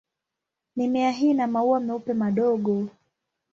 Mimea hii ina maua meupe madogo.